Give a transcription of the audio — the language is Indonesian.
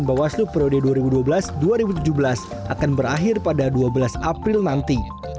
bawaslu periode dua ribu dua belas dua ribu tujuh belas akan berakhir pada dua belas april nanti